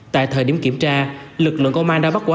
tại thời điểm kiểm tra lực lượng công an đã bắt quả